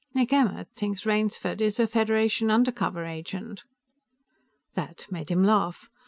"Nick Emmert thinks Rainsford is a Federation undercover agent." That made him laugh.